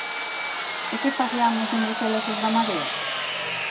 ¿E que faciamos en Bruxelas os da Marea?